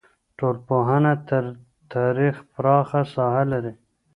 ټولنپوهنه تر تاریخ پراخه ساحه لري.